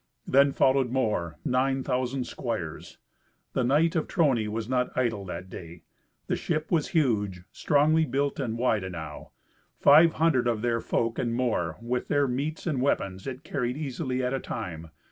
Then followed more: nine thousand squires. The knight of Trony was not idle that day. The ship was huge, strongly built and wide enow. Five hundred of their folk and more, with their meats and weapons, it carried easily at a time.